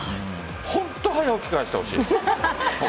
本当早起き、返してほしい。